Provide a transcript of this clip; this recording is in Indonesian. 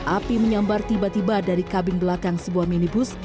api menyambar tiba tiba dari kabin belakang sebuah minibus